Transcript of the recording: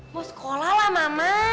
mau sekolah lah mama